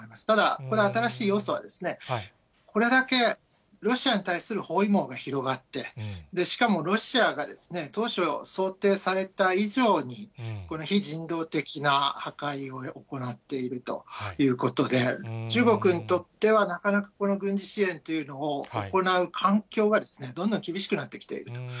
ただ、これは新しい要素は、これだけロシアに対する包囲網が広がって、しかもロシアが、当初想定された以上に、非人道的な破壊を行っているということで、中国にとっては、なかなかこの軍事支援というのを行う環境が、どんどん厳しくなっていると。